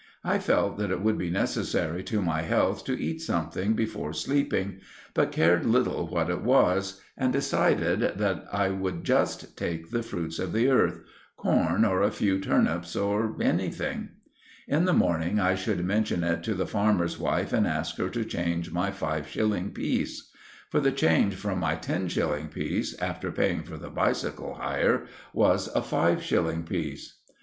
I felt that it would be necessary to my health to eat something before sleeping, but cared little what it was, and decided that I would just take the fruits of the earth—corn or a few turnips, or anything. In the morning I should mention it to the farmer's wife and ask her to change my five shilling piece. For the change from my ten shilling piece, after paying for the bicycle hire, was a five shilling piece.